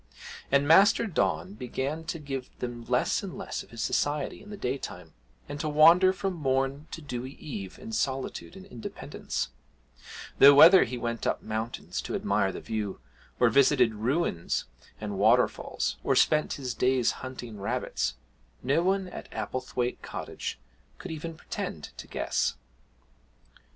And Master Don began to give them less and less of his society in the daytime, and to wander from morn to dewy eve in solitude and independence; though whether he went up mountains to admire the view, or visited ruins and waterfalls, or spent his days hunting rabbits, no one at Applethwaite Cottage could even pretend to guess.